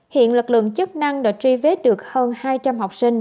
hiện lực lượng chức năng đã truy vết được hơn hai trăm linh học sinh